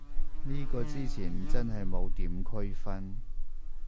呢個之前真係冇點區分